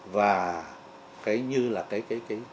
và cái như là cái cái cái